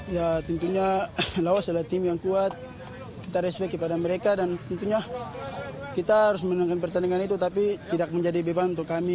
ya tentunya laos adalah tim yang kuat kita respect kepada mereka dan tentunya kita harus menangkan pertandingan itu tapi tidak menjadi beban untuk kami